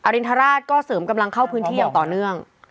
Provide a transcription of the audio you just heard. รินทราชก็เสริมกำลังเข้าพื้นที่อย่างต่อเนื่อง